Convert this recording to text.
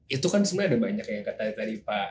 itu kan sebenarnya ada banyak ya kak tadi pak